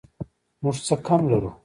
موږ څه کم لرو